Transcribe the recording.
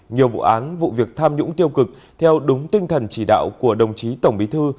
nhiều vụ án vụ việc tham nhũng tiêu cực theo đúng tinh thần chỉ đạo của đồng chí tổng bí thư